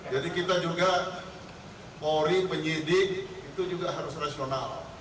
jadi kita juga polri penyidik itu juga harus rasional